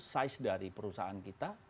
size dari perusahaan kita